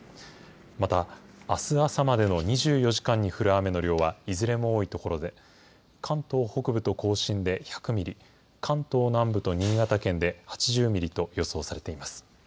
また、あす朝までの２４時間に降る雨の量は、いずれも多い所で、関東北部と甲信で１００ミリ、関東南部と新潟県で８０ミリと予想されています。